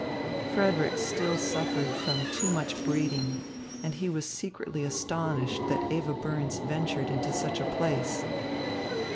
Frederick still suffered from too much breeding, and he was secretly astonished that Eva Burns ventured into such a place.